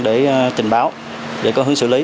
để trình báo để có hướng xử lý